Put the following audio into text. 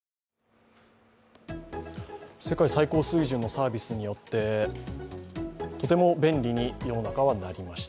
世界最高水準のサービスによって、とても便利に世の中はなりました。